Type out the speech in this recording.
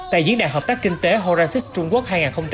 tại diễn đàn hợp tác kinh tế horacis trung quốc hai nghìn hai mươi bốn